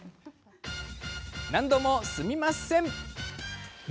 何度も、すいません。